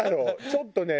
ちょっとね。